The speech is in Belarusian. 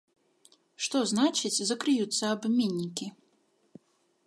Што значыць закрыюцца абменнікі?